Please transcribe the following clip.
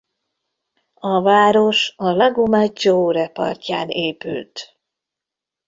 A város a Lago Maggiore partján épült.